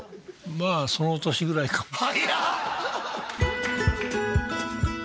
まあその年ぐらいかもですね